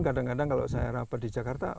kadang kadang kalau saya rapat di jakarta